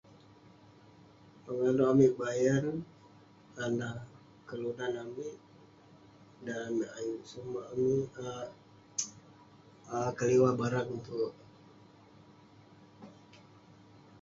Penganouk amik bayan, dan neh kelunan amik, dan ayuk sumak.. um keliwah barang tuerk..